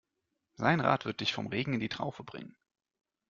Sein Rat wird dich vom Regen in die Traufe bringen.